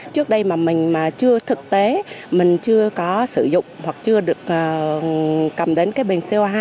trước đây mà mình mà chưa thực tế mình chưa có sử dụng hoặc chưa được cầm đến cái bình co hai